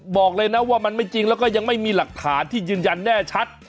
บอกเลยนะว่ามันไม่จริงแล้วก็ยังไม่มีหลักฐานที่ยืนยันแน่ชัด